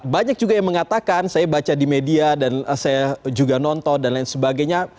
banyak juga yang mengatakan saya baca di media dan saya juga nonton dan lain sebagainya